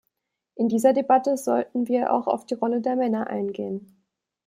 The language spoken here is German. In dieser Debatte sollten wir auch auf die Rolle der Männer eingehen.